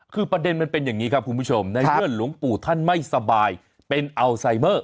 คือประเด็นมันเป็นอย่างนี้ครับคุณผู้ชมในเมื่อหลวงปู่ท่านไม่สบายเป็นอัลไซเมอร์